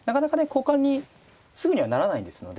交換にすぐにはならないですので。